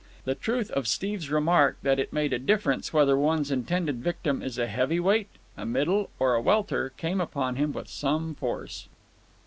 The truth of Steve's remark, that it made a difference whether one's intended victim is a heavyweight, a middle, or a welter, came upon him with some force.